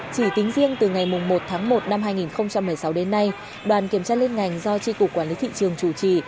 chỉ tính riêng từ ngày một tháng một năm hai nghìn một mươi sáu đến nay đoàn kiểm tra liên ngành do tri cục quản lý thị trường chủ trì